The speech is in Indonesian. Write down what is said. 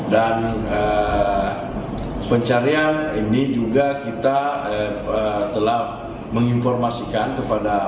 dan pencarian ini juga kita telah menginformasikan kepada